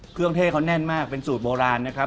เท่เขาแน่นมากเป็นสูตรโบราณนะครับ